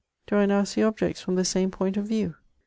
Do I now see objects from the same point of view